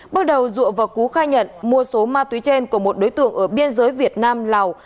bước đầu dụ và cú khai nhận mua số ma túy trên của một đối tượng ở biên giới việt nam lào